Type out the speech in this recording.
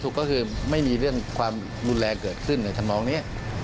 ก็คือไม่มีเรื่องความรุนแรงเกิดขึ้นในธรรมนองนี้